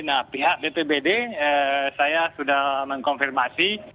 nah pihak bpbd saya sudah mengkonfirmasi